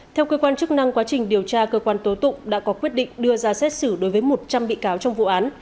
theo cơ quan chức năng quá trình điều tra cơ quan tố tụng đã có quyết định đưa ra xét xử đối với một trăm linh bị cáo trong vụ án